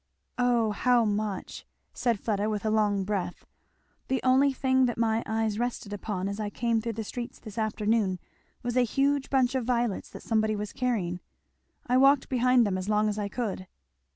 "O how much!" said Fleda with a long breath. "The only pleasant thing that my eyes rested upon as I came through the streets this afternoon, was a huge bunch of violets that somebody was carrying. I walked behind them as long as I could."